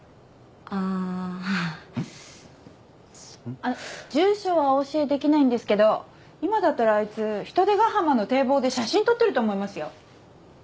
あの住所はお教えできないんですけど今だったらあいつ海星ヶ浜の堤防で写真撮ってると思いますよ。